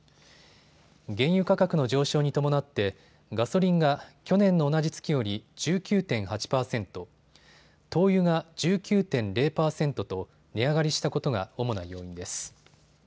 原油価格の上昇に伴ってガソリンが去年の同じ月より１９．８％、灯油が１９．０％と値上がりしたことが主な要因です。